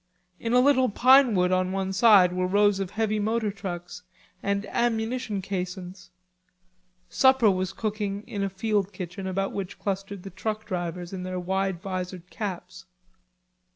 In a little pine wood on one side were rows of heavy motor trucks and ammunition caissons; supper was cooking in a field kitchen about which clustered the truck drivers in their wide visored caps.